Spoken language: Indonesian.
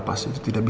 aku nggak mau